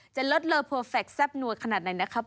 ลดเลอเพอร์เฟคแซ่บนัวขนาดไหนนะครับ